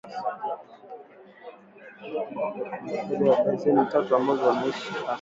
Zaidi ya dazeni tatu ambao wanaishi hasa